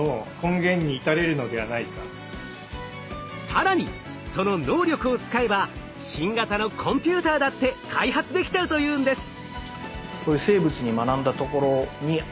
更にその能力を使えば新型のコンピューターだって開発できちゃうというんです。